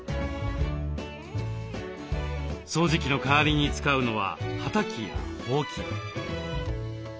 掃除機の代わりに使うのははたきやほうき。